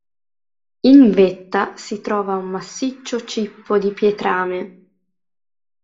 In vetta si trova un massiccio cippo di pietrame.